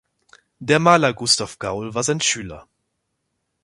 Der Maler Gustav Gaul war sein Schüler.